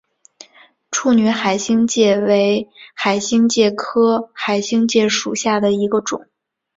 处女海星介为海星介科海星介属下的一个种。